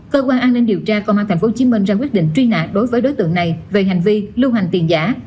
cơ quan an ninh điều tra công an tp hcm ra quyết định truy nã đối với đối tượng này về hành vi lưu hành tiền giả